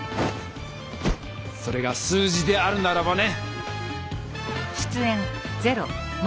それが数字であるならばね！